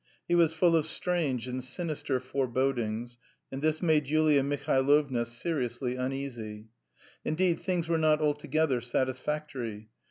He was full of strange and sinister forebodings, and this made Yulia Mihailovna seriously uneasy. Indeed, things were not altogether satisfactory.